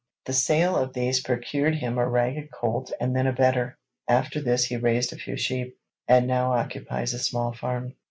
The sale of these procured him a ragged colt and then a better; after this he raised a few sheep, and now occupies a small farm.'